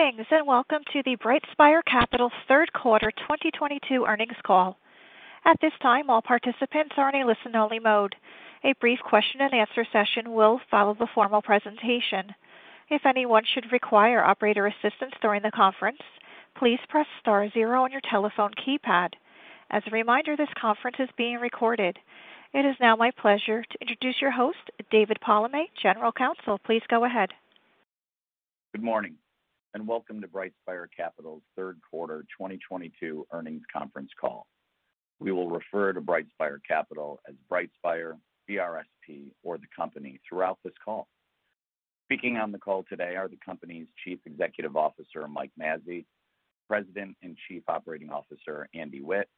Greetings, and welcome to the BrightSpire Capital third quarter 2022 earnings call. At this time, all participants are in a listen-only mode. A brief question-and-answer session will follow the formal presentation. If anyone should require operator assistance during the conference, please press star zero on your telephone keypad. As a reminder, this conference is being recorded. It is now my pleasure to introduce your host, David Palamé, General Counsel. Please go ahead. Good morning, and welcome to BrightSpire Capital's third quarter 2022 earnings conference call. We will refer to BrightSpire Capital as BrightSpire, BRSP, or the company throughout this call. Speaking on the call today are the company's Chief Executive Officer, Mike Mazzei, President and Chief Operating Officer, Andy Witt,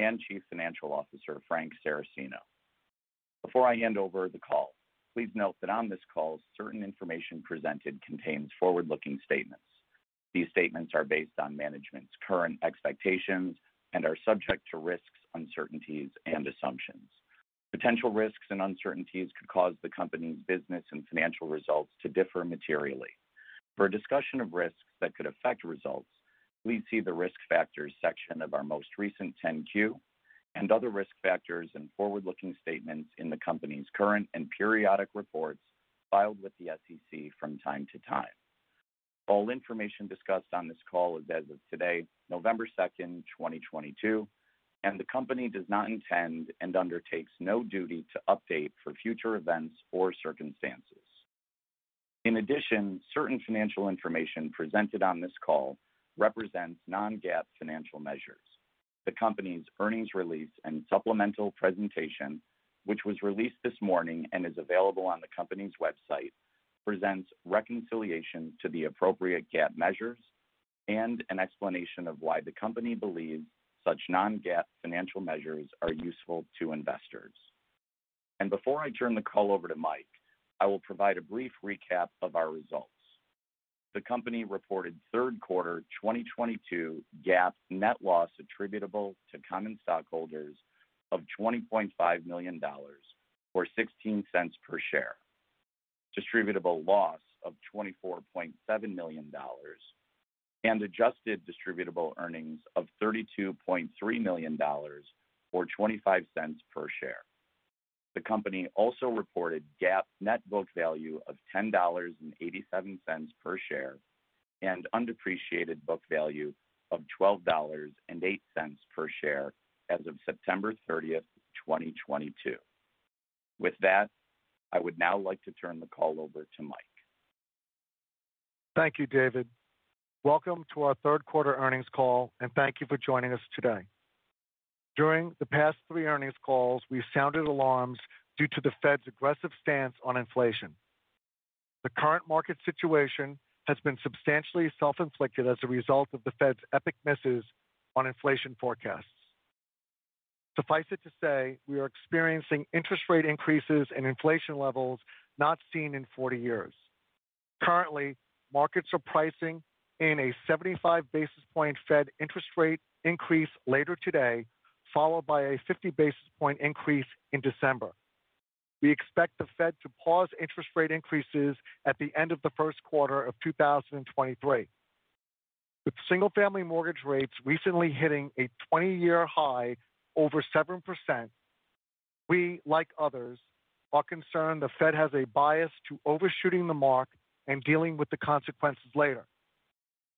and Chief Financial Officer, Frank Saracino. Before I hand over the call, please note that on this call, certain information presented contains forward-looking statements. These statements are based on management's current expectations and are subject to risks, uncertainties, and assumptions. Potential risks and uncertainties could cause the company's business and financial results to differ materially. For a discussion of risks that could affect results, please see the Risk Factors section of our most recent 10-Q and other risk factors and forward-looking statements in the company's current and periodic reports filed with the SEC from time to time. All information discussed on this call is as of today, November 2, 2022, and the company does not intend and undertakes no duty to update for future events or circumstances. In addition, certain financial information presented on this call represents non-GAAP financial measures. The company's earnings release and supplemental presentation, which was released this morning and is available on the company's website, presents reconciliation to the appropriate GAAP measures and an explanation of why the company believes such non-GAAP financial measures are useful to investors. Before I turn the call over to Mike, I will provide a brief recap of our results. The company reported third quarter 2022 GAAP net loss attributable to common stockholders of $25 million or $0.16 per share, distributable loss of $24.7 million, and adjusted distributable earnings of $32.3 million or $0.25 per share. The company also reported GAAP net book value of $10.87 per share, and undepreciated book value of $12.08 per share as of September 30th, 2022. With that, I would now like to turn the call over to Mike. Thank you, David. Welcome to our third quarter earnings call, and thank you for joining us today. During the past three earnings calls, we sounded alarms due to the Fed's aggressive stance on inflation. The current market situation has been substantially self-inflicted as a result of the Fed's epic misses on inflation forecasts. Suffice it to say, we are experiencing interest rate increases and inflation levels not seen in 40 years. Currently, markets are pricing in a 75 basis point Fed interest rate increase later today, followed by a 50 basis point increase in December. We expect the Fed to pause interest rate increases at the end of the first quarter of 2023. With single-family mortgage rates recently hitting a 20-year high over 7%, we, like others, are concerned the Fed has a bias to overshooting the mark and dealing with the consequences later.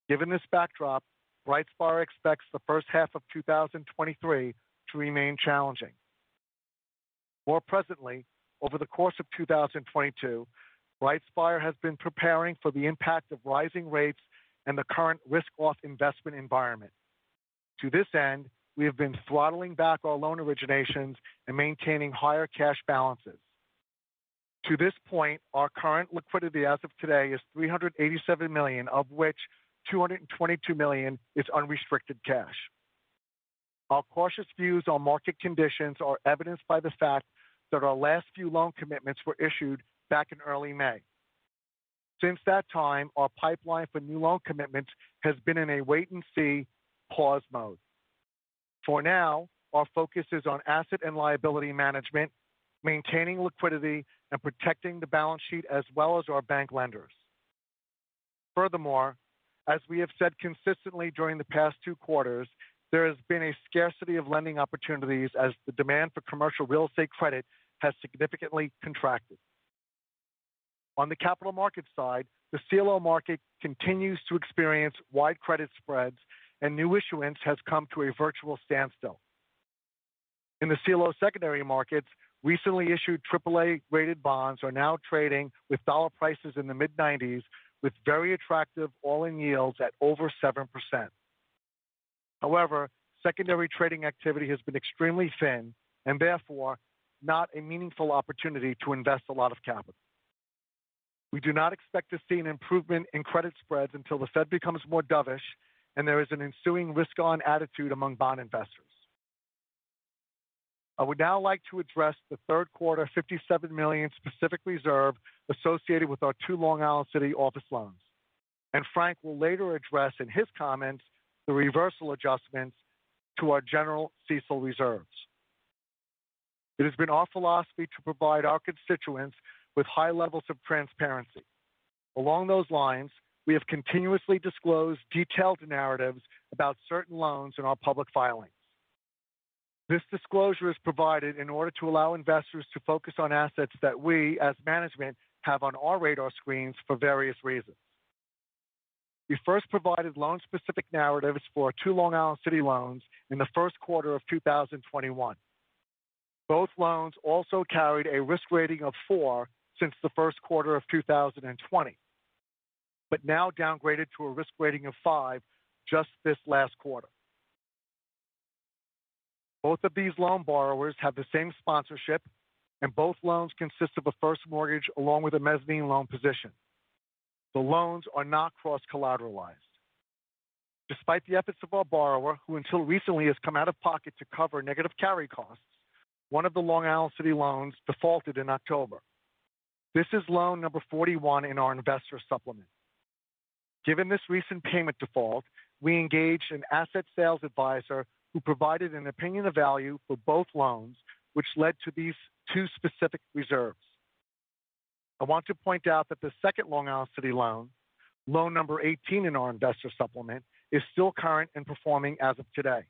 Given this backdrop, BrightSpire expects the first half of 2023 to remain challenging. More presently, over the course of 2022, BrightSpire has been preparing for the impact of rising rates and the current risk-off investment environment. To this end, we have been throttling back our loan originations and maintaining higher cash balances. To this point, our current liquidity as of today is $387 million, of which $222 million is unrestricted cash. Our cautious views on market conditions are evidenced by the fact that our last few loan commitments were issued back in early May. Since that time, our pipeline for new loan commitments has been in a wait-and-see pause mode. For now, our focus is on asset and liability management, maintaining liquidity, and protecting the balance sheet as well as our bank lenders. Furthermore, as we have said consistently during the past two quarters, there has been a scarcity of lending opportunities as the demand for commercial real estate credit has significantly contracted. On the capital market side, the CLO market continues to experience wide credit spreads, and new issuance has come to a virtual standstill. In the CLO secondary markets, recently issued AAA-rated bonds are now trading with dollar prices in the mid-90s, with very attractive all-in yields at over 7%. However, secondary trading activity has been extremely thin and therefore not a meaningful opportunity to invest a lot of capital. We do not expect to see an improvement in credit spreads until the Fed becomes more dovish and there is an ensuing risk-on attitude among bond investors. I would now like to address the third quarter $57 million specific reserve associated with our two Long Island City office loans, and Frank will later address in his comments the reversal adjustments to our general CECL reserves. It has been our philosophy to provide our constituents with high levels of transparency. Along those lines, we have continuously disclosed detailed narratives about certain loans in our public filings. This disclosure is provided in order to allow investors to focus on assets that we, as management, have on our radar screens for various reasons. We first provided loan-specific narratives for two Long Island City loans in the first quarter of 2021. Both loans also carried a risk rating of four since the first quarter of 2020, but now downgraded to a risk rating of five just this last quarter. Both of these loan borrowers have the same sponsorship, and both loans consist of a first mortgage along with a mezzanine loan position. The loans are not cross-collateralized. Despite the efforts of our borrower, who until recently has come out of pocket to cover negative carry costs, one of the Long Island City loans defaulted in October. This is loan number 41 in our investor supplement. Given this recent payment default, we engaged an asset sales advisor who provided an opinion of value for both loans, which led to these two specific reserves. I want to point out that the second Long Island City loan number 18 in our investor supplement, is still current and performing as of today.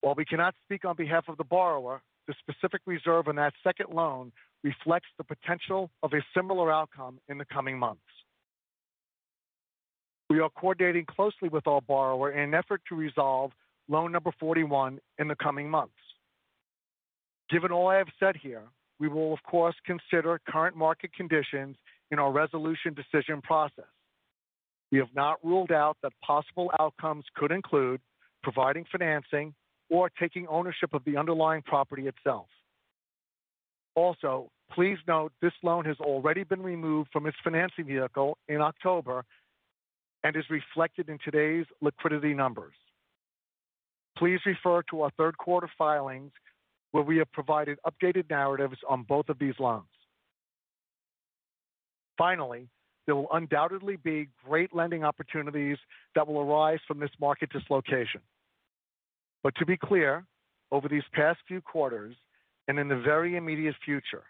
While we cannot speak on behalf of the borrower, the specific reserve on that second loan reflects the potential of a similar outcome in the coming months. We are coordinating closely with our borrower in an effort to resolve loan number 41 in the coming months. Given all I have said here, we will of course consider current market conditions in our resolution decision process. We have not ruled out that possible outcomes could include providing financing or taking ownership of the underlying property itself. Also, please note this loan has already been removed from its financing vehicle in October and is reflected in today's liquidity numbers. Please refer to our third quarter filings where we have provided updated narratives on both of these loans. Finally, there will undoubtedly be great lending opportunities that will arise from this market dislocation. To be clear, over these past few quarters and in the very immediate future,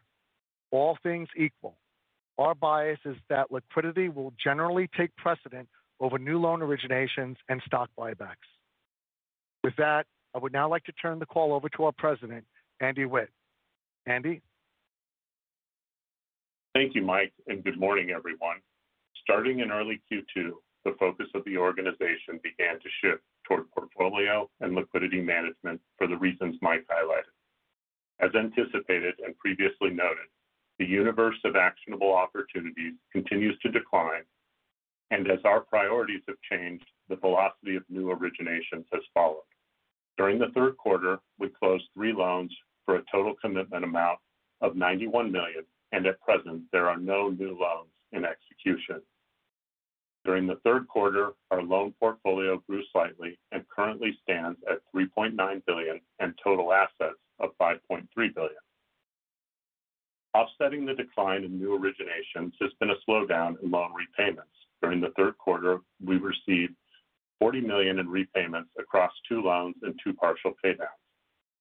all things equal, our bias is that liquidity will generally take precedent over new loan originations and stock buybacks. With that, I would now like to turn the call over to our President, Andy Witt. Andy. Thank you, Mike, and good morning, everyone. Starting in early Q2, the focus of the organization began to shift toward portfolio and liquidity management for the reasons Mike highlighted. As anticipated and previously noted, the universe of actionable opportunities continues to decline. As our priorities have changed, the velocity of new originations has followed. During the third quarter, we closed three loans for a total commitment amount of $91 million, and at present, there are no new loans in execution. During the third quarter, our loan portfolio grew slightly and currently stands at $3.9 billion and total assets of $5.3 billion. Offsetting the decline in new originations has been a slowdown in loan repayments. During the third quarter, we received $40 million in repayments across two loans and two partial paydowns.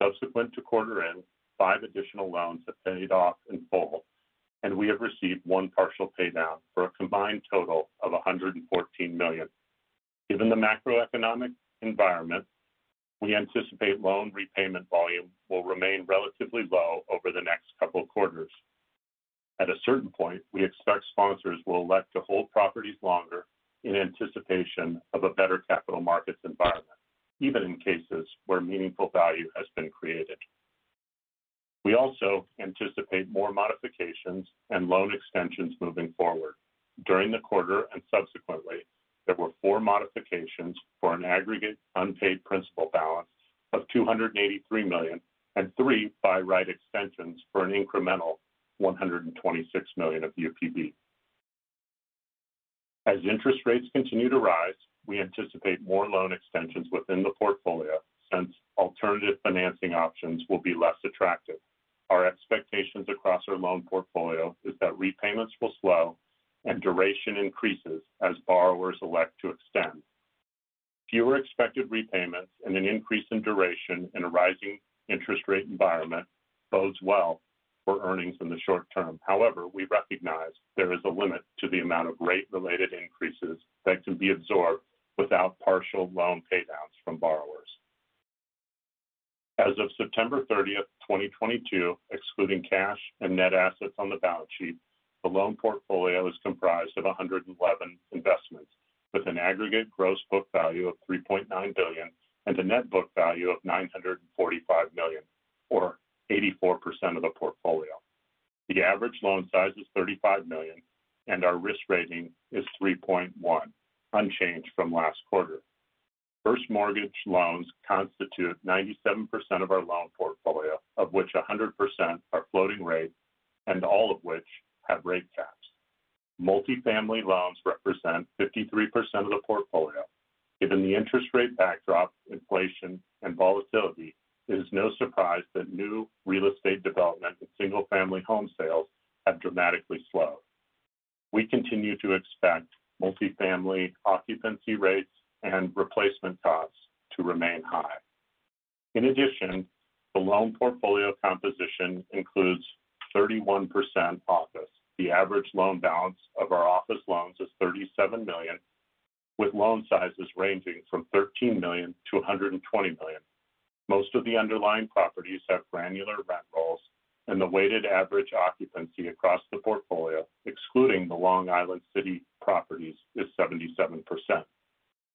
Subsequent to quarter end, five additional loans have paid off in full, and we have received one partial paydown for a combined total of $114 million. Given the macroeconomic environment, we anticipate loan repayment volume will remain relatively low over the next couple of quarters. At a certain point, we expect sponsors will elect to hold properties longer in anticipation of a better capital markets environment, even in cases where meaningful value has been created. We also anticipate more modifications and loan extensions moving forward. During the quarter and subsequently, there were four modifications for an aggregate unpaid principal balance of $283 million and three by-right extensions for an incremental $126 million of UPB. As interest rates continue to rise, we anticipate more loan extensions within the portfolio since alternative financing options will be less attractive. Our expectations across our loan portfolio is that repayments will slow and duration increases as borrowers elect to extend. Fewer expected repayments and an increase in duration in a rising interest rate environment bodes well for earnings in the short term. However, we recognize there is a limit to the amount of rate-related increases that can be absorbed without partial loan paydowns from borrowers. As of September 30, 2022, excluding cash and net assets on the balance sheet, the loan portfolio is comprised of 111 investments with an aggregate gross book value of $3.9 billion and a net book value of $945 million, or 84% of the portfolio. The average loan size is $35 million, and our risk rating is 3.1, unchanged from last quarter. First mortgage loans constitute 97% of our loan portfolio, of which 100% are floating rate and all of which have rate caps. Multifamily loans represent 53% of the portfolio. Given the interest rate backdrop, inflation, and volatility, it is no surprise that new real estate development and single-family home sales have dramatically slowed. We continue to expect multifamily occupancy rates and replacement costs to remain high. In addition, the loan portfolio composition includes 31% office. The average loan balance of our office loans is $37 million, with loan sizes ranging from $13 million to $120 million. Most of the underlying properties have granular rent rolls, and the weighted average occupancy across the portfolio, excluding the Long Island City properties, is 77%.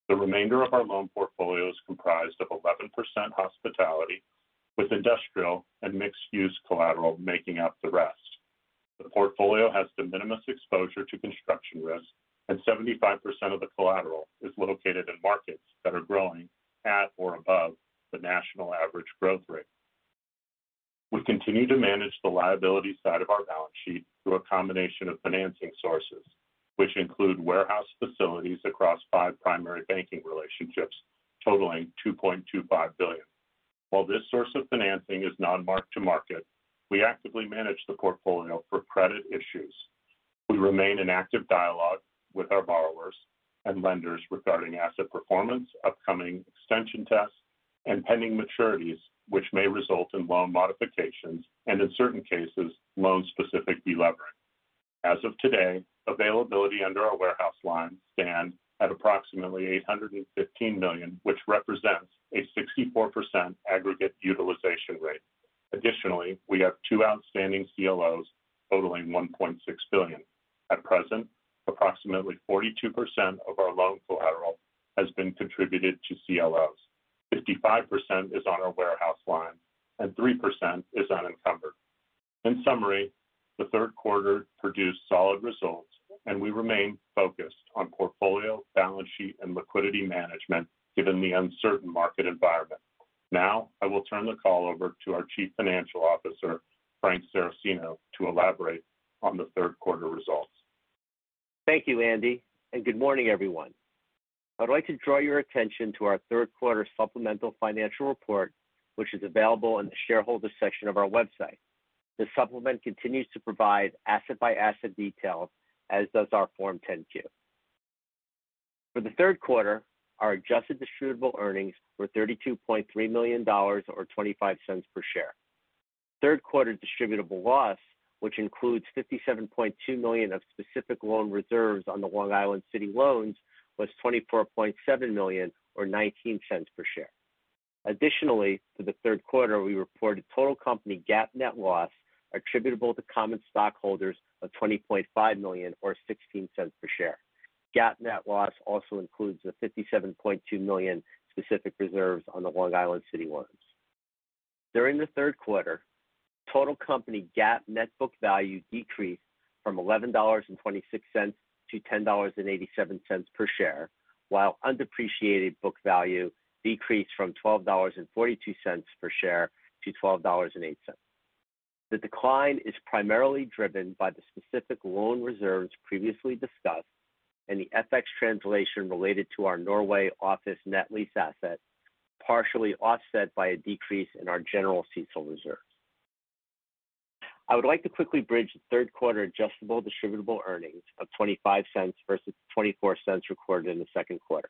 The remainder of our loan portfolio is comprised of 11% hospitality, with industrial and mixed-use collateral making up the rest. The portfolio has de minimis exposure to construction risk, and 75% of the collateral is located in markets that are growing at or above the national average growth rate. We continue to manage the liability side of our balance sheet through a combination of financing sources, which include warehouse facilities across five primary banking relationships totaling $2.25 billion. While this source of financing is non-mark-to-market, we actively manage the portfolio for credit issues. We remain in active dialogue with our borrowers and lenders regarding asset performance, upcoming extension tests, and pending maturities which may result in loan modifications and, in certain cases, loan-specific delevering. As of today, availability under our warehouse line stands at approximately $815 million, which represents a 64% aggregate utilization rate. Additionally, we have two outstanding CLOs totaling $1.6 billion. At present, approximately 42% of our loan collateral has been contributed to CLOs. 55% is on our warehouse line, and 3% is unencumbered. In summary, the third quarter produced solid results, and we remain focused on portfolio, balance sheet, and liquidity management given the uncertain market environment. Now, I will turn the call over to our Chief Financial Officer, Frank Saracino, to elaborate on the third quarter results. Thank you, Andy, and good morning, everyone. I'd like to draw your attention to our third quarter supplemental financial report, which is available in the Shareholders section of our website. The supplement continues to provide asset-by-asset details, as does our Form 10-Q. For the third quarter, our adjusted distributable earnings were $32.3 million or $0.25 per share. Third quarter distributable loss, which includes $57.2 million of specific loan reserves on the Long Island City loans, was $24.7 million or $0.19 per share. Additionally, for the third quarter, we reported total company GAAP net loss attributable to common stockholders of $20.5 million or $0.16 per share. GAAP net loss also includes the $57.2 million specific reserves on the Long Island City loans. During the third quarter, total company GAAP net book value decreased from $11.26 to $10.87 per share, while undepreciated book value decreased from $12.42 per share to $12.08. The decline is primarily driven by the specific loan reserves previously discussed and the FX translation related to our Norway office net lease asset, partially offset by a decrease in our general CECL reserves. I would like to quickly bridge the third quarter adjusted distributable earnings of $0.25 versus $0.24 recorded in the second quarter.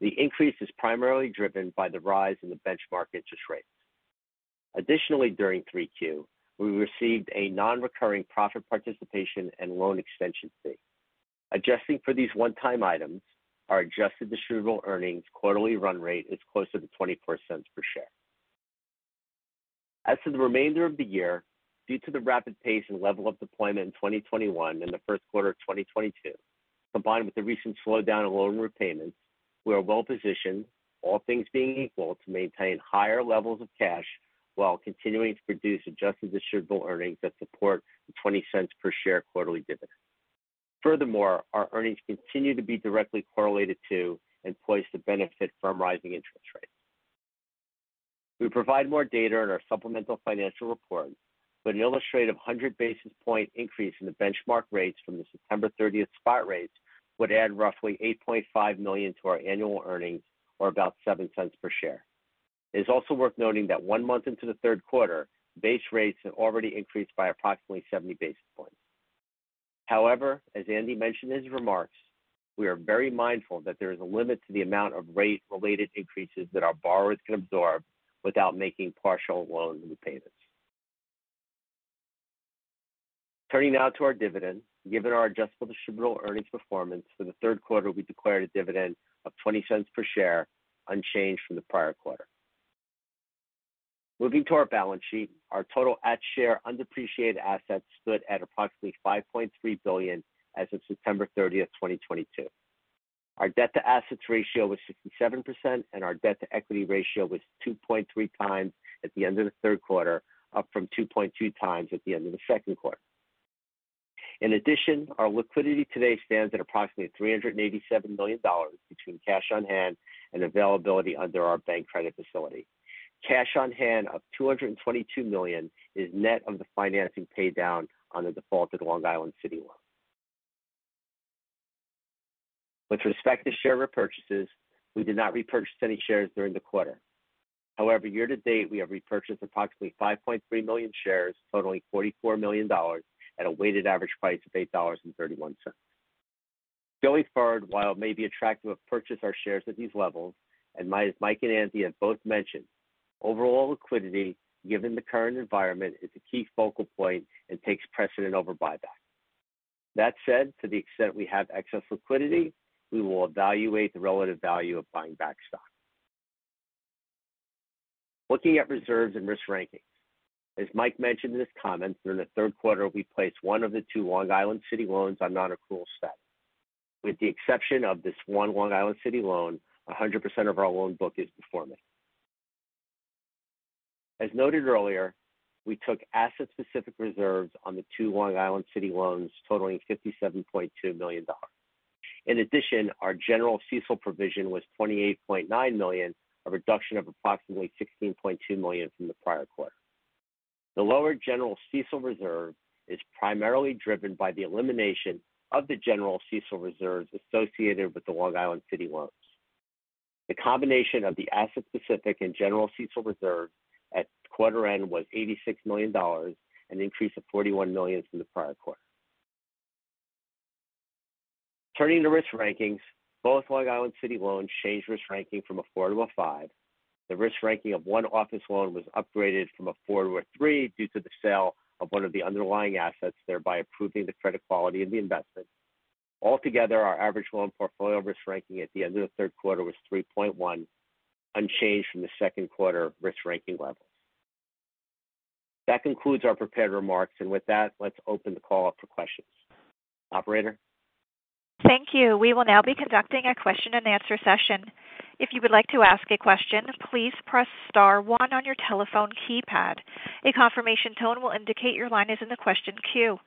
The increase is primarily driven by the rise in the benchmark interest rates. Additionally, during 3Q, we received a non-recurring profit participation and loan extension fee. Adjusting for these one-time items, our adjusted distributable earnings quarterly run rate is closer to $0.24 per share. As for the remainder of the year, due to the rapid pace and level of deployment in 2021 and the first quarter of 2022, combined with the recent slowdown in loan repayments, we are well-positioned, all things being equal, to maintain higher levels of cash while continuing to produce adjusted distributable earnings that support the $0.20 per share quarterly dividend. Furthermore, our earnings continue to be directly correlated to and poised to benefit from rising interest rates. We provide more data in our supplemental financial report, but an illustrative 100 basis point increase in the benchmark rates from the September 30th spot rates would add roughly $8.5 million to our annual earnings or about $0.07 per share. It is also worth noting that one month into the third quarter, base rates have already increased by approximately 70 basis points. However, as Andy mentioned in his remarks, we are very mindful that there is a limit to the amount of rate-related increases that our borrowers can absorb without making partial loan repayments. Turning now to our dividend. Given our adjustable distributable earnings performance for the third quarter, we declared a dividend of $0.20 per share, unchanged from the prior quarter. Moving to our balance sheet. Our total undepreciated assets stood at approximately $5.3 billion as of September 30, 2022. Our debt-to-assets ratio was 67%, and our debt-to-equity ratio was 2.3x at the end of the third quarter, up from 2.2x at the end of the second quarter. In addition, our liquidity today stands at approximately $387 million between cash on hand and availability under our bank credit facility. Cash on hand of $222 million is net of the financing paydown on the defaulted Long Island City loan. With respect to share repurchases, we did not repurchase any shares during the quarter. However, year to date, we have repurchased approximately 5.3 million shares totaling $44 million at a weighted average price of $8.31. Going forward, while it may be attractive to purchase our shares at these levels, as Mike and Andy have both mentioned, overall liquidity given the current environment is a key focal point and takes precedence over buyback. That said, to the extent we have excess liquidity, we will evaluate the relative value of buying back stock. Looking at reserves and risk rankings. As Mike mentioned in his comments, during the third quarter, we placed one of the two Long Island City loans on nonaccrual status. With the exception of this one Long Island City loan, 100% of our loan book is performing. As noted earlier, we took asset-specific reserves on the two Long Island City loans totaling $57.2 million. In addition, our general CECL provision was $28.9 million, a reduction of approximately $16.2 million from the prior quarter. The lower general CECL reserve is primarily driven by the elimination of the general CECL reserves associated with the Long Island City loans. The combination of the asset-specific and general CECL reserve at quarter end was $86 million, an increase of $41 million from the prior quarter. Turning to risk rankings, both Long Island City loans changed risk ranking from a four to a five. The risk ranking of one office loan was upgraded from a four to a three due to the sale of one of the underlying assets, thereby improving the credit quality of the investment. Altogether, our average loan portfolio risk ranking at the end of the third quarter was 3.1, unchanged from the second quarter risk ranking level. That concludes our prepared remarks. With that, let's open the call up for questions. Operator? Thank you. We will now be conducting a question and answer session. If you would like to ask a question, please press star one on your telephone keypad. A confirmation tone will indicate your line is in the question queue.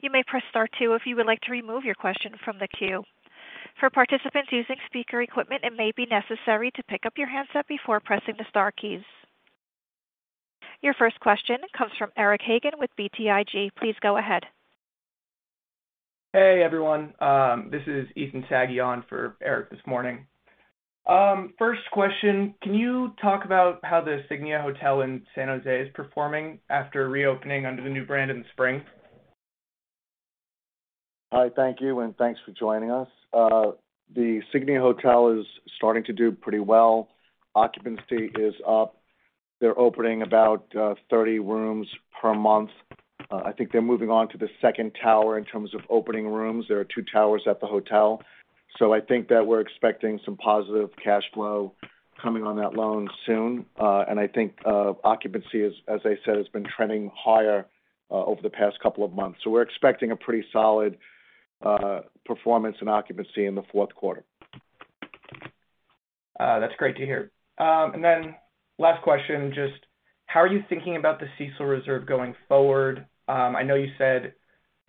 You may press star two if you would like to remove your question from the queue. For participants using speaker equipment, it may be necessary to pick up your handset before pressing the star keys. Your first question comes from Eric Hagen with BTIG. Please go ahead. Hey, everyone, this is Ethan Saghi on for Eric Hagen this morning. First question, can you talk about how the Signia by Hilton San Jose is performing after reopening under the new brand in the spring? Hi. Thank you, and thanks for joining us. The Signia Hotel is starting to do pretty well. Occupancy is up. They're opening about 30 rooms per month. I think they're moving on to the second tower in terms of opening rooms. There are two towers at the hotel. I think that we're expecting some positive cash flow coming on that loan soon. I think occupancy is, as I said, has been trending higher over the past couple of months. We're expecting a pretty solid performance and occupancy in the fourth quarter. That's great to hear. Last question, just how are you thinking about the CECL reserve going forward? I know you said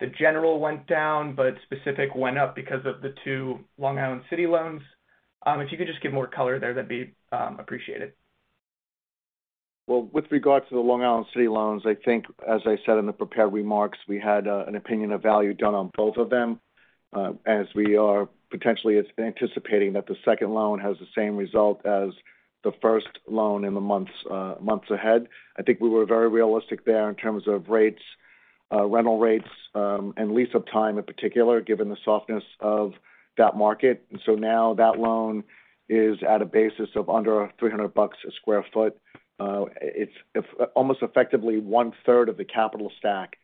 the general went down, but specific went up because of the two Long Island City loans. If you could just give more color there, that'd be appreciated. Well, with regard to the Long Island City loans, I think as I said in the prepared remarks, we had an opinion of value done on both of them, as we are potentially anticipating that the second loan has the same result as the first loan in the months ahead. I think we were very realistic there in terms of rates, rental rates, and lease-up time in particular, given the softness of that market. Now that loan is at a basis of under $300 a square foot. It's almost effectively 1/3 of the capital stack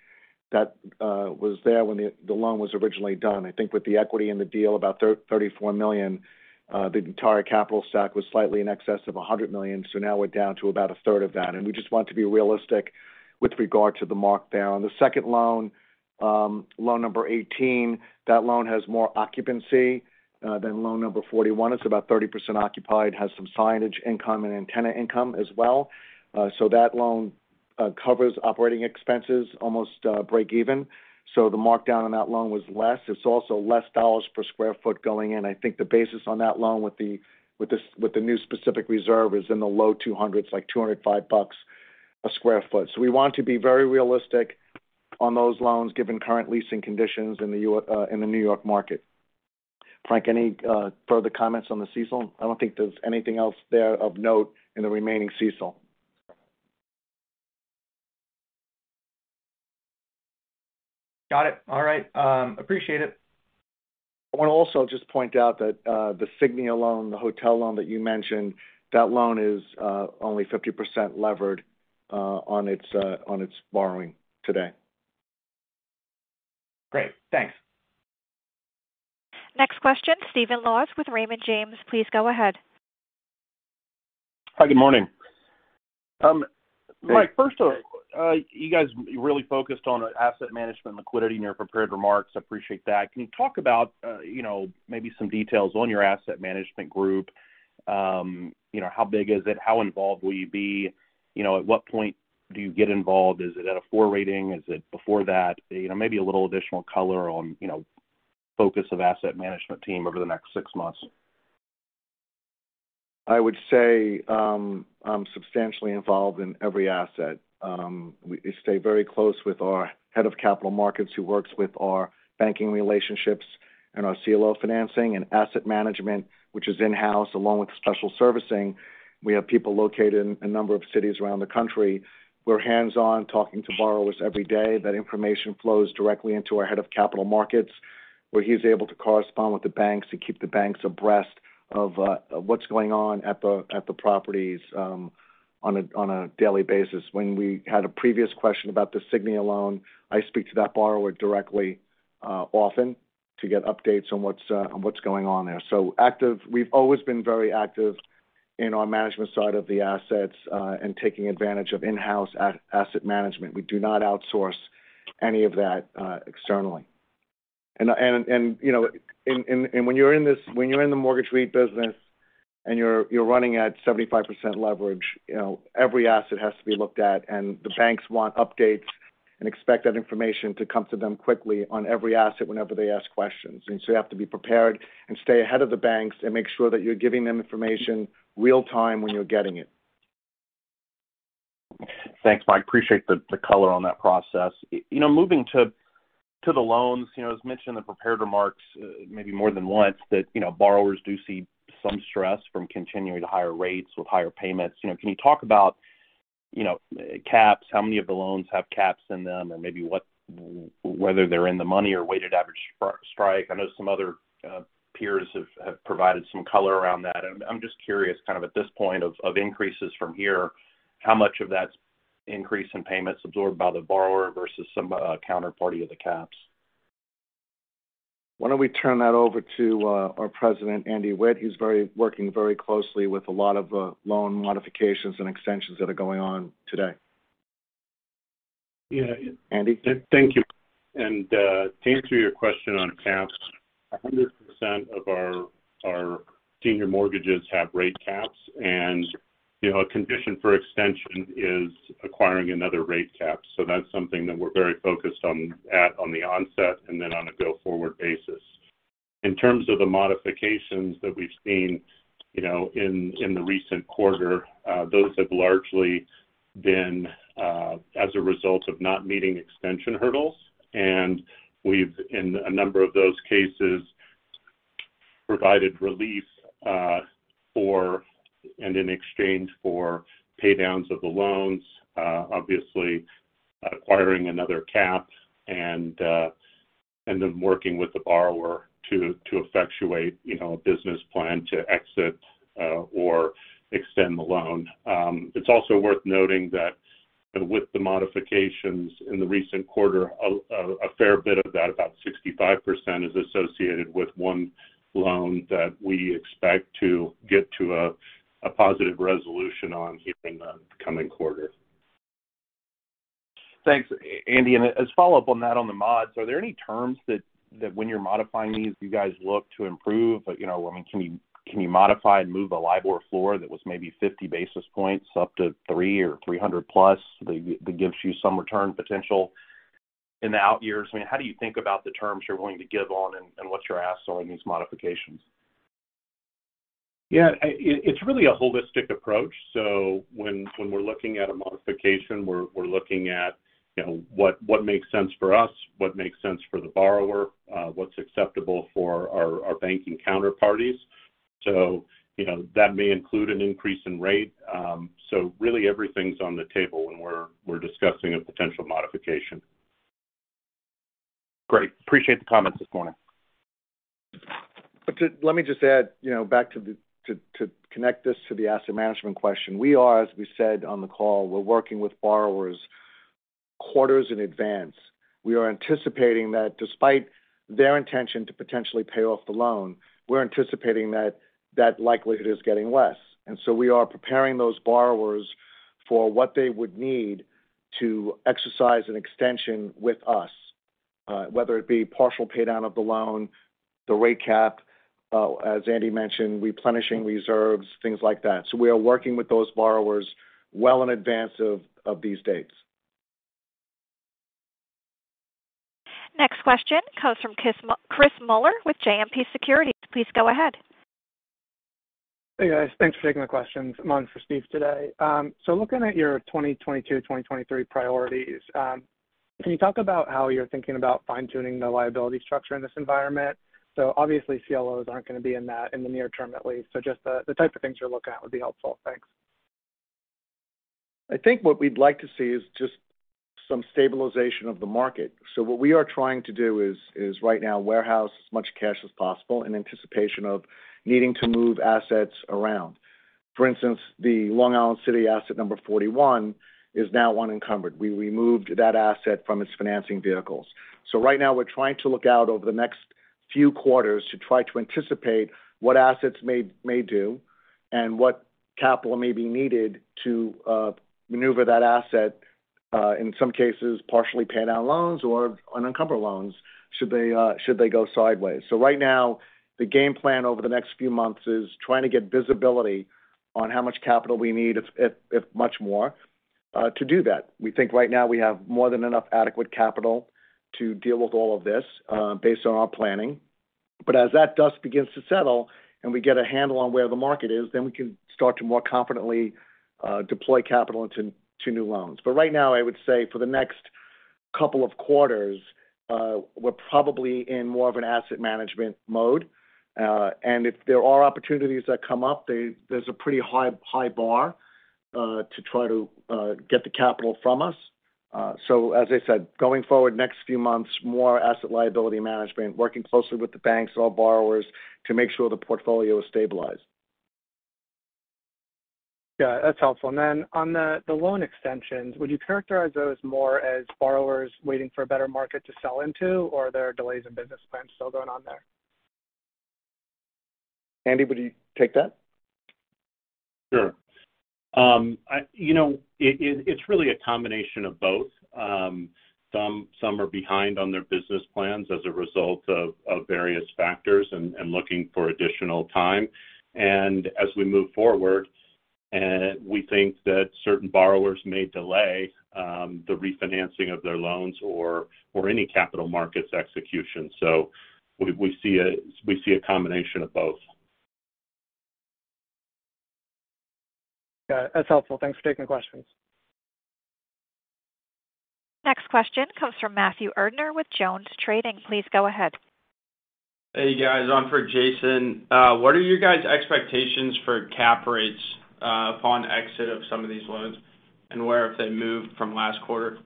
that was there when the loan was originally done. I think with the equity in the deal, about $34 million, the entire capital stack was slightly in excess of $100 million. Now we're down to about a third of that, and we just want to be realistic with regard to the markdown. The second loan number 18, that loan has more occupancy than loan number 41. It's about 30% occupied, has some signage income and antenna income as well. That loan covers operating expenses almost break even. The markdown on that loan was less. It's also less dollars per square foot going in. I think the basis on that loan with the new specific reserve is in the low $200, like $205 a square foot. We want to be very realistic on those loans given current leasing conditions in the New York market. Frank, any further comments on the CECL? I don't think there's anything else there of note in the remaining CECL. Got it. All right, appreciate it. I want to also just point out that the Signia loan, the hotel loan that you mentioned, that loan is only 50% levered on its borrowing today. Great. Thanks. Next question, Stephen Laws with Raymond James. Please go ahead. Hi. Good morning. Hey. Mike, first off, you guys really focused on asset management liquidity in your prepared remarks. I appreciate that. Can you talk about, you know, maybe some details on your asset management group? You know, how big is it? How involved will you be? You know, at what point do you get involved? Is it at a four rating? Is it before that? You know, maybe a little additional color on, you know, focus of asset management team over the next six months. I would say, I'm substantially involved in every asset. We stay very close with our head of capital markets who works with our banking relationships and our CLO financing and asset management, which is in-house along with special servicing. We have people located in a number of cities around the country. We're hands-on talking to borrowers every day. That information flows directly into our head of capital markets, where he's able to correspond with the banks to keep the banks abreast of what's going on at the properties on a daily basis. When we had a previous question about the Signia loan, I speak to that borrower directly often to get updates on what's going on there. We've always been very active in our management side of the assets, and taking advantage of in-house asset management. We do not outsource any of that externally. You know, when you're in the mortgage REIT business and you're running at 75% leverage, you know, every asset has to be looked at, and the banks want updates and expect that information to come to them quickly on every asset whenever they ask questions. You have to be prepared and stay ahead of the banks and make sure that you're giving them information real-time when you're getting it. Thanks, Mike. Appreciate the color on that process. You know, moving to the loans, you know, as mentioned in prepared remarks, maybe more than once, that, you know, borrowers do see some stress from continued higher rates with higher payments. You know, can you talk about, you know, caps, how many of the loans have caps in them and maybe whether they're in the money or weighted average strike. I know some other peers have provided some color around that. I'm just curious kind of at this point of increases from here, how much of that's increase in payments absorbed by the borrower versus some counterparty of the caps. Why don't we turn that over to our President, Andy Witt? He's working very closely with a lot of loan modifications and extensions that are going on today. Yeah. Andy. Thank you. To answer your question on caps, 100% of our senior mortgages have rate caps. You know, a condition for extension is acquiring another rate cap. That's something that we're very focused on at the onset and then on a go-forward basis. In terms of the modifications that we've seen, you know, in the recent quarter, those have largely been as a result of not meeting extension hurdles. In a number of those cases, we've provided relief for and in exchange for pay downs of the loans, obviously acquiring another cap and then working with the borrower to effectuate, you know, a business plan to exit or extend the loan. It's also worth noting that with the modifications in the recent quarter, a fair bit of that, about 65% is associated with one loan that we expect to get to a positive resolution on here in the coming quarter. Thanks, Andy. As follow-up on that on the mods, are there any terms that when you're modifying these, you guys look to improve? You know, I mean, can you modify and move a LIBOR floor that was maybe 50 basis points up to 300+ that gives you some return potential in the out years? I mean, how do you think about the terms you're willing to give on and what's your ask on these modifications? Yeah, it's really a holistic approach. When we're looking at a modification, we're looking at, you know, what makes sense for us, what makes sense for the borrower, what's acceptable for our banking counterparties. You know, that may include an increase in rate. Really everything's on the table when we're discussing a potential modification. Great. Appreciate the comments this morning. Let me just add, you know, back to connect this to the asset management question. We are, as we said on the call, we're working with borrowers quarters in advance. We are anticipating that despite their intention to potentially pay off the loan, we're anticipating that likelihood is getting less. We are preparing those borrowers for what they would need to exercise an extension with us, whether it be partial pay down of the loan, the rate cap, as Andy mentioned, replenishing reserves, things like that. We are working with those borrowers well in advance of these dates. Next question comes from Chris Muller with JMP Securities. Please go ahead. Hey, guys. Thanks for taking my questions. I'm on for Steve today. Looking at your 2022, 2023 priorities, can you talk about how you're thinking about fine-tuning the liability structure in this environment? Obviously, CLOs aren't gonna be in that in the near term, at least. Just the type of things you're looking at would be helpful. Thanks. I think what we'd like to see is just some stabilization of the market. What we are trying to do is right now warehouse as much cash as possible in anticipation of needing to move assets around. For instance, the Long Island City asset number 41 is now unencumbered. We removed that asset from its financing vehicles. Right now we're trying to look out over the next few quarters to try to anticipate what assets may do and what capital may be needed to maneuver that asset in some cases, partially pay down loans or unencumber loans should they go sideways. Right now, the game plan over the next few months is trying to get visibility on how much capital we need if much more to do that. We think right now we have more than enough adequate capital to deal with all of this, based on our planning. As that dust begins to settle and we get a handle on where the market is, then we can start to more confidently deploy capital into to new loans. Right now, I would say for the next couple of quarters, we're probably in more of an asset management mode. If there are opportunities that come up, there's a pretty high bar to try to get the capital from us. As I said, going forward next few months, more asset liability management, working closely with the banks and all borrowers to make sure the portfolio is stabilized. Yeah, that's helpful. On the loan extensions, would you characterize those more as borrowers waiting for a better market to sell into, or are there delays in business plans still going on there? Andy, would you take that? Sure. You know, it's really a combination of both. Some are behind on their business plans as a result of various factors and looking for additional time. As we move forward, we think that certain borrowers may delay the refinancing of their loans or any capital markets execution. We see a combination of both. Yeah, that's helpful. Thanks for taking the questions. Next question comes from Matthew Erdner with JonesTrading. Please go ahead. Hey, guys. On for Jason. What are your guys' expectations for cap rates upon exit of some of these loans and where have they moved from last quarter?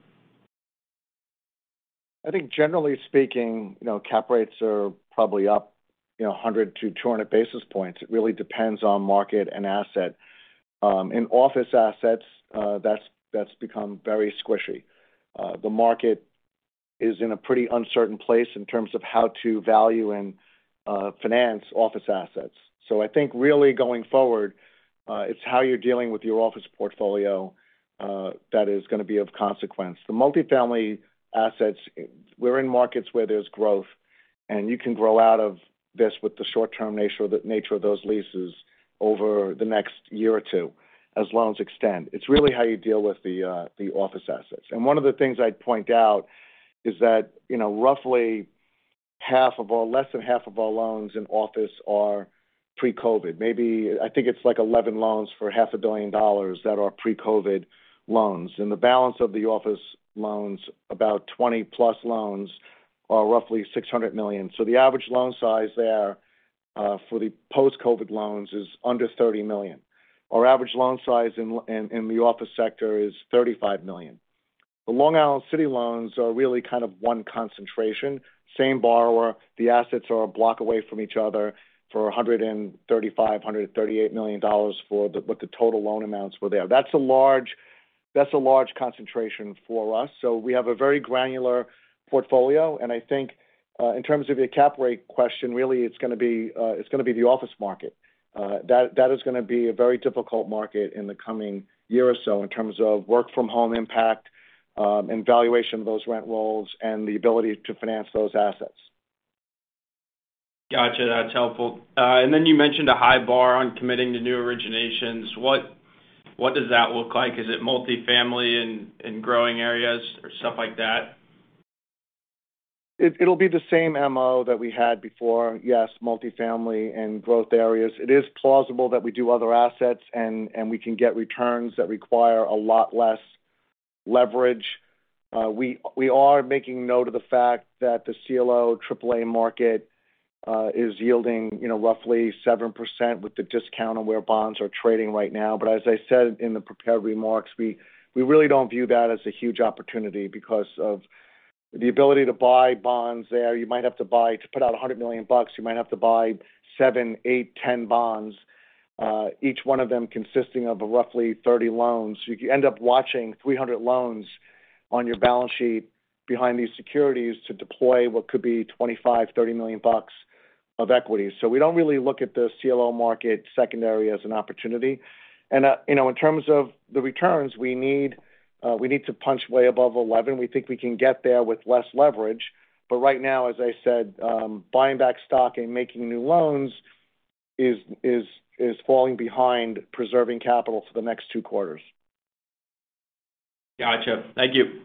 I think generally speaking, you know, cap rates are probably up, you know, 100-200 basis points. It really depends on market and asset. In office assets, that's become very squishy. The market is in a pretty uncertain place in terms of how to value and finance office assets. I think really going forward, it's how you're dealing with your office portfolio that is gonna be of consequence. The multifamily assets, we're in markets where there's growth, and you can grow out of this with the short-term nature of those leases over the next year or two as loans extend. It's really how you deal with the office assets. One of the things I'd point out is that, you know, less than half of all loans in office are pre-COVID. Maybe I think it's like 11 loans for half a billion dollars that are pre-COVID loans. The balance of the office loans, about 20+ loans, are roughly $600 million. The average loan size there, for the post-COVID loans is under $30 million. Our average loan size in the office sector is $35 million. The Long Island City loans are really kind of one concentration, same borrower. The assets are a block away from each other for a $135 million-$138 million dollars for what the total loan amounts were there. That's a large concentration for us. We have a very granular portfolio. I think, in terms of your cap rate question, really it's gonna be the office market. That is gonna be a very difficult market in the coming year or so in terms of work-from-home impact, and valuation of those rent rolls and the ability to finance those assets. Gotcha. That's helpful. You mentioned a high bar on committing to new originations. What does that look like? Is it multifamily in growing areas or stuff like that? It'll be the same MO that we had before. Yes, multifamily and growth areas. It is plausible that we do other assets and we can get returns that require a lot less leverage. We are making note of the fact that the CLO AAA market is yielding, you know, roughly 7% with the discount on where bonds are trading right now. As I said in the prepared remarks, we really don't view that as a huge opportunity because of the ability to buy bonds there. You might have to buy to put out $100 million, you might have to buy seven, eight, 10 bonds, each one of them consisting of roughly 30 loans. You end up watching 300 loans on your balance sheet behind these securities to deploy what could be $25 million-$30 million of equity. We don't really look at the CLO market secondary as an opportunity. You know, in terms of the returns we need, we need to punch way above 11%. We think we can get there with less leverage. Right now, as I said, buying back stock and making new loans is falling behind preserving capital for the next two quarters. Gotcha. Thank you.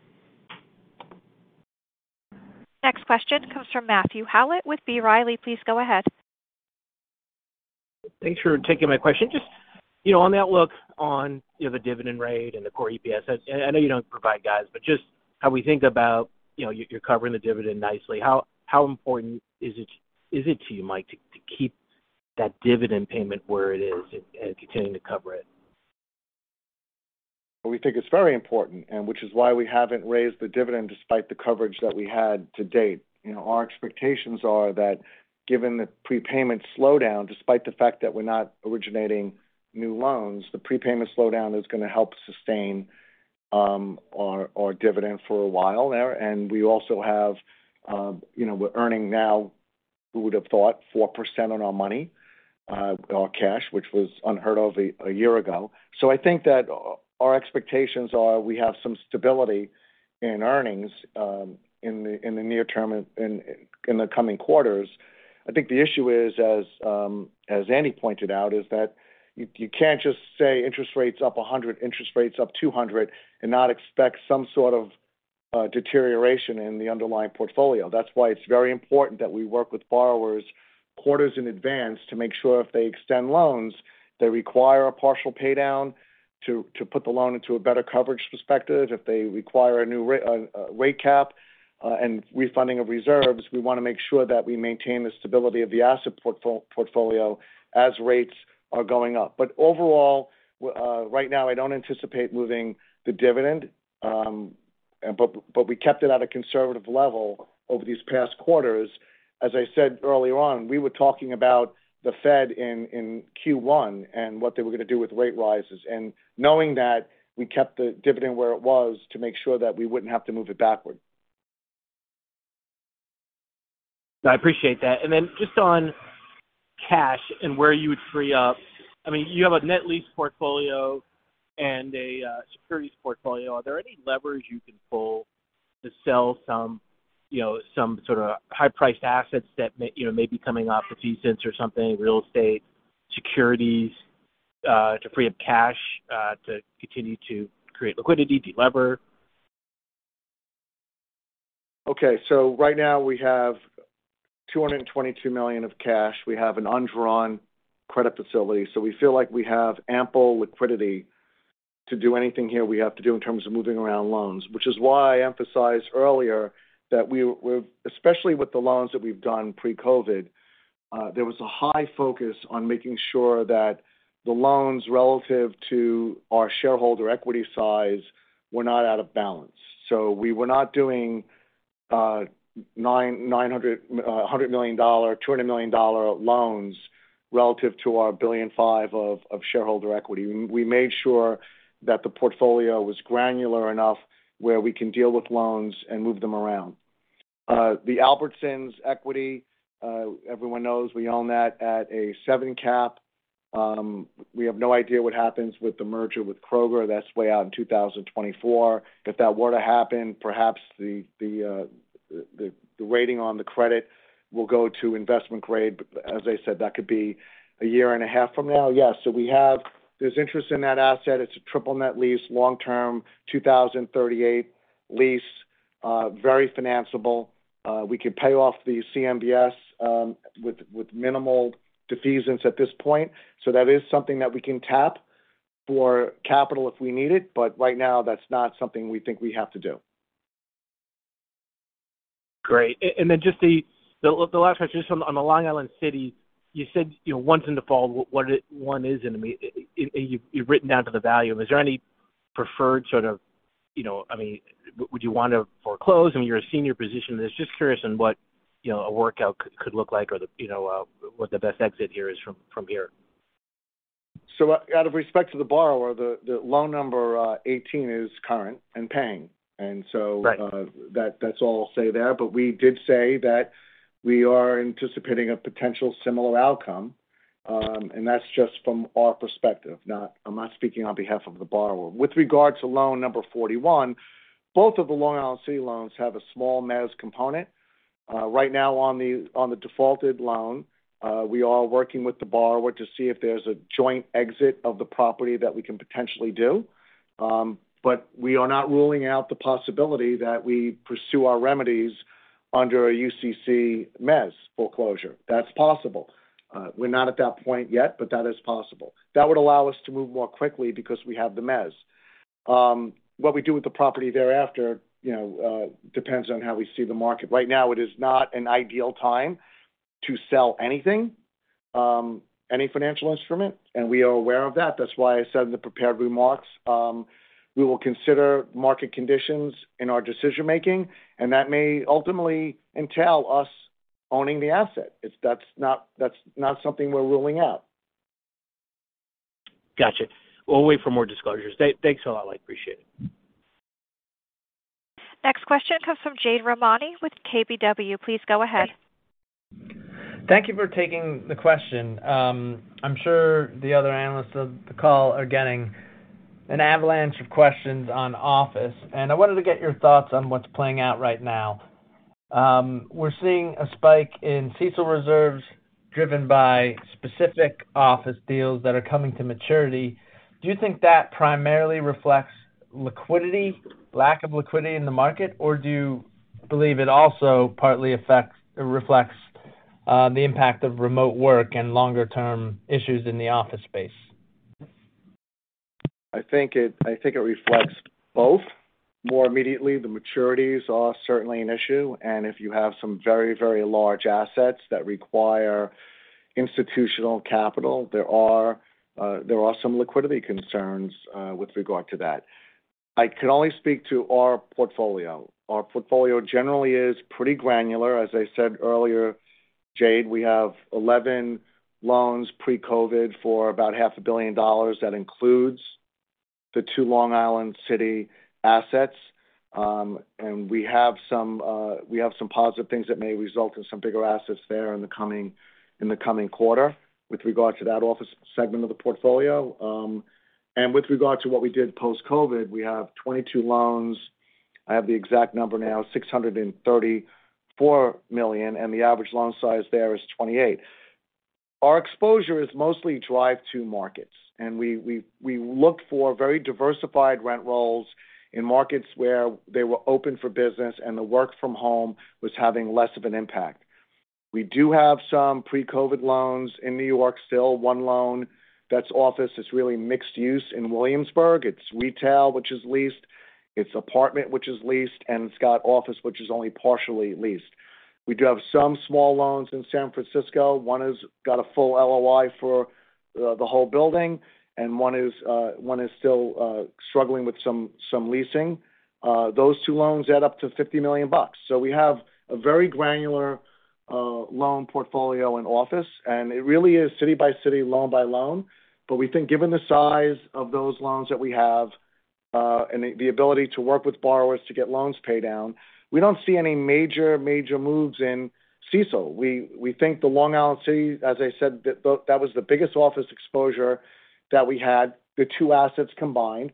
Next question comes from Matthew Howlett with B. Riley. Please go ahead. Thanks for taking my question. Just, you know, on the outlook on, you know, the dividend rate and the core EPS, I know you don't provide guidance, but just how we think about, you know, you're covering the dividend nicely. How important is it to you, Mike, to keep that dividend payment where it is and continuing to cover it? We think it's very important and which is why we haven't raised the dividend despite the coverage that we had to date. You know, our expectations are that given the prepayment slowdown, despite the fact that we're not originating new loans, the prepayment slowdown is gonna help sustain our dividend for a while there. We also have, you know, we're earning now, who would have thought, 4% on our money, our cash, which was unheard of a year ago. I think that our expectations are we have some stability in earnings, in the near term in the coming quarters. I think the issue is, as Andy pointed out, is that you can't just say interest rate's up 100, interest rate's up 200, and not expect some sort of deterioration in the underlying portfolio. That's why it's very important that we work with borrowers quarters in advance to make sure if they extend loans, they require a partial pay down to put the loan into a better coverage perspective. If they require a new rate cap, and refunding of reserves, we wanna make sure that we maintain the stability of the asset portfolio as rates are going up. Overall, right now, I don't anticipate moving the dividend, but we kept it at a conservative level over these past quarters. As I said earlier on, we were talking about the Fed in Q1 and what they were gonna do with rate rises. Knowing that, we kept the dividend where it was to make sure that we wouldn't have to move it backward. I appreciate that. Just on cash and where you would free up. I mean, you have a net lease portfolio and a securities portfolio. Are there any levers you can pull to sell some, you know, some sorta high-priced assets that may, you know, may be coming off of defeasance or something, real estate, securities, to free up cash to continue to create liquidity, delever? Right now we have $222 million of cash. We have an undrawn credit facility. We feel like we have ample liquidity to do anything here we have to do in terms of moving around loans, which is why I emphasized earlier that especially with the loans that we've done pre-COVID, there was a high focus on making sure that the loans relative to our shareholder equity size were not out of balance. We were not doing $900 million, $200 million loans relative to our $1.5 billion of shareholder equity. We made sure that the portfolio was granular enough where we can deal with loans and move them around. The Albertsons equity, everyone knows we own that at a 7% cap. We have no idea what happens with the merger with Kroger. That's way out in 2024. If that were to happen, perhaps the rating on the credit will go to investment grade. As I said, that could be a year and a half from now. Yeah. There's interest in that asset. It's a triple net lease, long-term, 2038 lease, very financeable. We could pay off the CMBS with minimal defeasance at this point. That is something that we can tap for capital if we need it. Right now, that's not something we think we have to do. Great. Just the last question is on the Long Island City. You said, you know, one's in default, one is, and I mean, you've written down to the value. Is there any preferred sort of, you know, I mean, would you want to foreclose? I mean, you're in a senior position. Just curious on what, you know, a workout could look like or the, you know, what the best exit here is from here. Out of respect to the borrower, the loan number 18 is current and paying. Right. That's all I'll say there. We did say that we are anticipating a potential similar outcome, and that's just from our perspective. I'm not speaking on behalf of the borrower. With regards to loan number 41, both of the Long Island City loans have a small MEZ component. Right now on the defaulted loan, we are working with the borrower to see if there's a joint exit of the property that we can potentially do. We are not ruling out the possibility that we pursue our remedies under a UCC MEZ foreclosure. That's possible. We're not at that point yet, that is possible. That would allow us to move more quickly because we have the MEZ. What we do with the property thereafter, you know, depends on how we see the market. Right now, it is not an ideal time to sell anything, any financial instrument, and we are aware of that. That's why I said in the prepared remarks, we will consider market conditions in our decision-making, and that may ultimately entail us owning the asset. That's not something we're ruling out. Gotcha. We'll wait for more disclosures. Thanks a lot. I appreciate it. Next question comes from Jade Rahmani with KBW. Please go ahead. Thank you for taking the question. I'm sure the other analysts on the call are getting an avalanche of questions on office, and I wanted to get your thoughts on what's playing out right now. We're seeing a spike in CECL reserves driven by specific office deals that are coming to maturity. Do you think that primarily reflects liquidity, lack of liquidity in the market, or do you believe it also partly affects or reflects, the impact of remote work and longer-term issues in the office space? I think it reflects both. More immediately, the maturities are certainly an issue. If you have some very, very large assets that require institutional capital, there are some liquidity concerns, with regard to that. I can only speak to our portfolio. Our portfolio generally is pretty granular. As I said earlier, Jade, we have 11 loans pre-COVID for about half a billion dollars that includes the two Long Island City assets. We have some positive things that may result in some bigger assets there in the coming quarter with regard to that office segment of the portfolio. With regard to what we did post-COVID, we have 22 loans. I have the exact number now, $634 million, and the average loan size there is $28 million. Our exposure is mostly drive to markets, and we look for very diversified rent rolls in markets where they were open for business and the work from home was having less of an impact. We do have some pre-COVID loans in New York still. One loan that's office, it's really mixed use in Williamsburg. It's retail, which is leased, it's apartment, which is leased, and it's got office, which is only partially leased. We do have some small loans in San Francisco. One is got a full LOI for the whole building, and one is still struggling with some leasing. Those two loans add up to $50 million. We have a very granular loan portfolio and office, and it really is city by city, loan by loan. We think given the size of those loans that we have, and the ability to work with borrowers to get loans paid down, we don't see any major moves in CECL. We think the Long Island City, as I said, that was the biggest office exposure that we had, the two assets combined.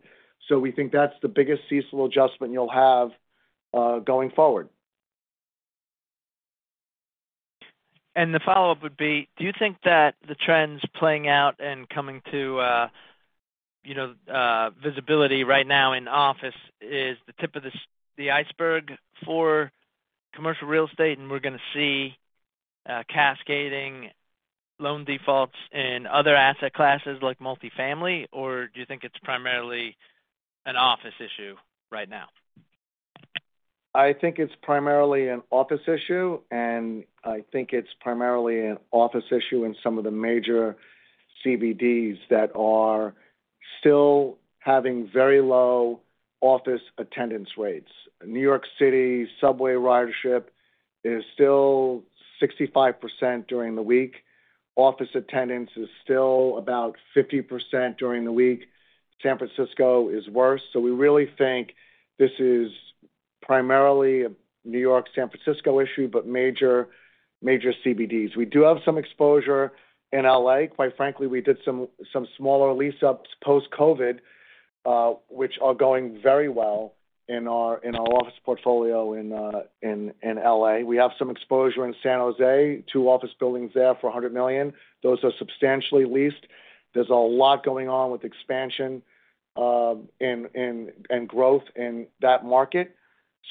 We think that's the biggest CECL adjustment you'll have, going forward. The follow-up would be, do you think that the trends playing out and coming to, you know, visibility right now in office is the tip of the iceberg for commercial real estate, and we're gonna see cascading loan defaults in other asset classes like multifamily? Or do you think it's primarily an office issue right now? I think it's primarily an office issue in some of the major CBDs that are still having very low office attendance rates. New York City subway ridership is still 65% during the week. Office attendance is still about 50% during the week. San Francisco is worse. We really think this is primarily a New York, San Francisco issue, but major CBDs. We do have some exposure in L.A. Quite frankly, we did some smaller lease-ups post-COVID, which are going very well in our office portfolio in L.A. We have some exposure in San Jose, two office buildings there for $100 million. Those are substantially leased. There's a lot going on with expansion and growth in that market.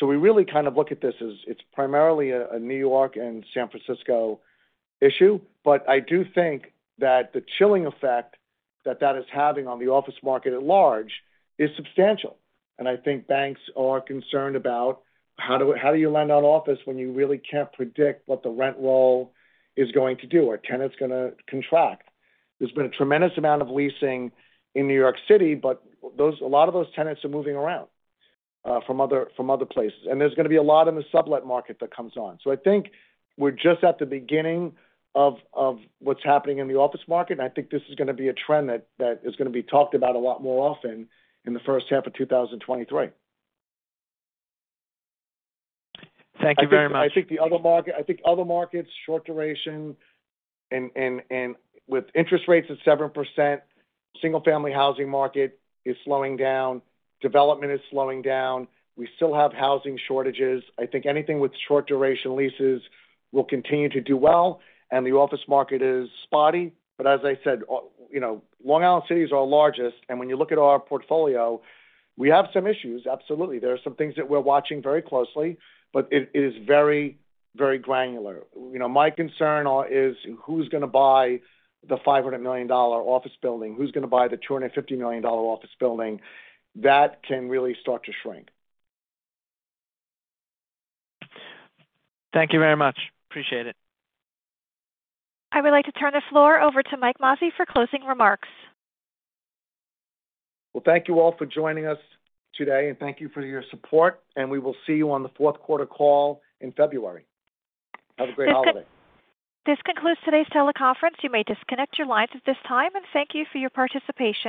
We really kind of look at this as it's primarily a New York and San Francisco issue. I do think that the chilling effect that that is having on the office market at large is substantial. I think banks are concerned about how do you lend on office when you really can't predict what the rent roll is going to do or tenants gonna contract? There's been a tremendous amount of leasing in New York City, but those, a lot of those tenants are moving around from other places. There's gonna be a lot in the sublet market that comes on. I think we're just at the beginning of what's happening in the office market, and I think this is gonna be a trend that is gonna be talked about a lot more often in the first half of 2023. Thank you very much. I think other markets, short duration and with interest rates at 7%, single-family housing market is slowing down, development is slowing down. We still have housing shortages. I think anything with short-duration leases will continue to do well, and the office market is spotty. But as I said, you know, Long Island City is our largest, and when you look at our portfolio, we have some issues, absolutely. There are some things that we're watching very closely, but it is very, very granular. You know, my concern is who's gonna buy the $500 million office building? Who's gonna buy the $250 million office building? That can really start to shrink. Thank you very much. Appreciate it. I would like to turn the floor over to Mike Mazzei for closing remarks. Well, thank you all for joining us today, and thank you for your support. We will see you on the fourth quarter call in February. Have a great holiday. This concludes today's teleconference. You may disconnect your lines at this time. Thank you for your participation.